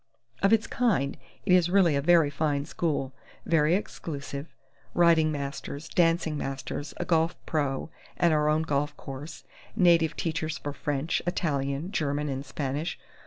Of its kind, it is really a very fine school very exclusive; riding masters, dancing masters, a golf 'pro' and our own golf course, native teachers for French, Italian, German and Spanish....